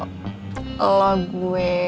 kamu jangan manggil lo gue